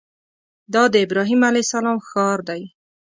دا د ابراهیم علیه السلام ښار دی.